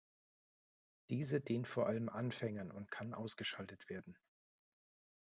Diese dient vor allem Anfängern und kann ausgeschaltet werden.